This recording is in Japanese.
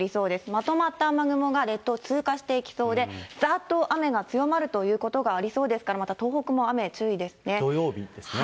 まとまった雨雲が列島を通過していきそうで、ざーっと雨が強まるということがありそうですから、東北も雨、土曜日ですね。